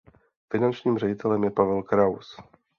Finančním ředitelem je Pavel Kraus.